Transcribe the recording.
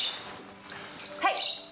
はい。